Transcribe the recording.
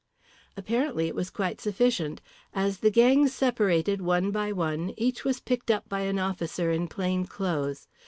Apparently it was quite sufficient. As the gang separated one by one, each was picked up by an officer in plain clothes.